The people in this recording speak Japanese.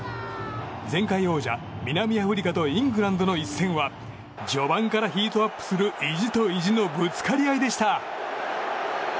前回王者・南アフリカとイングランドの一戦は序盤からヒートアップする意地と意地のぶつかり合いでした。